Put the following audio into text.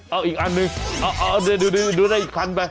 เอ้าอีกอันหนึ่งดูเนี่ยอีกครั้งกะ